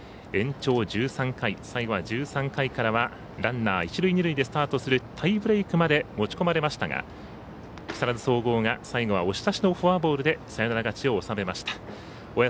延長１３回、最後は１３回からはランナー、一塁二塁でスタートするタイブレークに持ち込まれましたが木更津総合が最後は押し出しのフォアボールでサヨナラ勝ちを収めました。